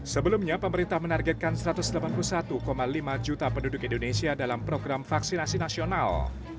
sebelumnya pemerintah menargetkan satu ratus delapan puluh satu lima juta penduduk indonesia dalam program vaksinasi nasional